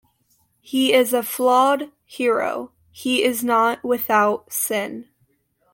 He is a flawed hero; he is not "without sin".